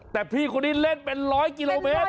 แต่พี่คนนี้เล่นเป็น๑๐๐กิโลเมตร